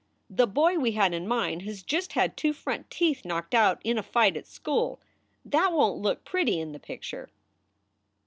The boy we had in mind has just had two front teeth knocked out in a fight at school. That won t look pretty in the picture."